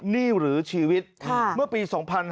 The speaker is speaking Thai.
นี่หรือชีวิตเมื่อปี๒๕๕๙